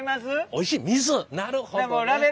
なるほどね。